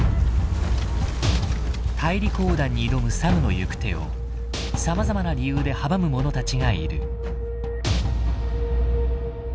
大陸横断に挑むサムの行く手をさまざまな理由で阻む者たちがいる。